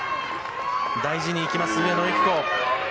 大事にいきます上野由岐子。